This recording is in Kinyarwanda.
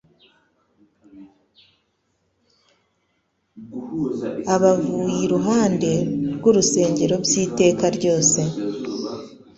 Aba avuye iruhande rw'urusengero by'iteka ryose.